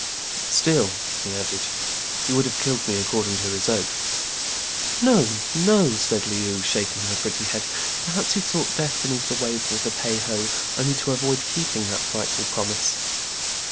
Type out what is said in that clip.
" But still," he added, vhe would have killed me according to his oath.'* " No, no !" said Le ou, shaking her pretty head : "perhaps he sought death beneath the waves of the Pei ho, only to avoid keeping that frightful promise."